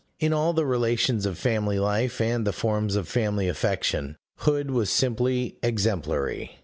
] In all the relations of family life, and the forms of family affection, Hood was simply exemplary.